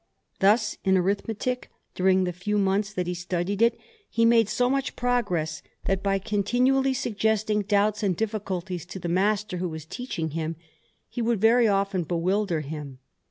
Thus, in arithmetic, during the few months that he studied it, he made so much progress, that, by continually suggesting doubts and difficulties to the master who was teaching him, he would very often bewilder him.